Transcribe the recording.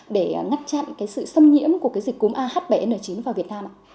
để ngắt chặn sự xâm nhiễm của dịch cúm ah bảy n chín vào việt nam ạ